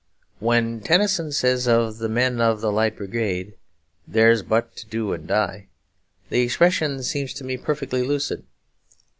When Tennyson says of the men of the Light Brigade 'Theirs but to do and die,' the expression seems to me perfectly lucid.